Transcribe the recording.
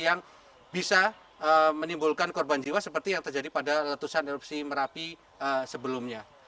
yang bisa menimbulkan korban jiwa seperti yang terjadi pada letusan erupsi merapi sebelumnya